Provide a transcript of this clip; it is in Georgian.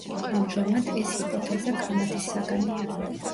ამჟამად ეს ჰიპოთეზა კამათის საგანია.